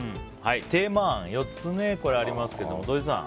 テーマ案４つありますけども土井さん